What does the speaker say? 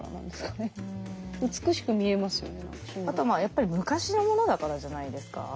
あとはやっぱり昔のものだからじゃないですか。